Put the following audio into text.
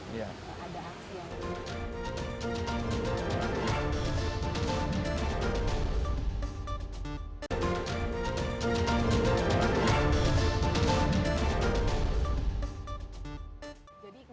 kita harus mengingatkan sultan fatinrara untukanku terima kasih otak pertama